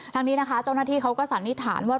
ทางนี้นะคะเจ้าหน้าที่เขาก็สันนิษฐานว่า